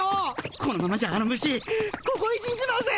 このままじゃあの虫こごえ死んじまうぜ！